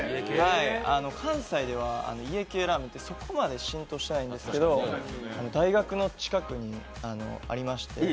家系ラーメンってそこまで浸透してないんですけど大学の近くにありまして